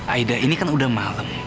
aida ini kan udah malam